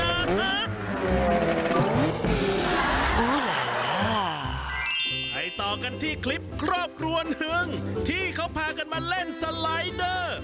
เอาไล่มาให้ต่อกันที่คลิปครอบครวญเฮิงพี่เค้าได้มาแสดงสไลด์